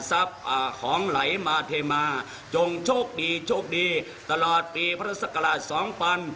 ทรัพย์อ่าของไหลมาเทมาจงโชคดีโชคดีตลอดปีพระศักราชสองปัน